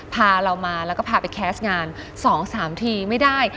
พาเรามาแล้วก็พาไปแคสต์งาน๒๓ทีไม่ได้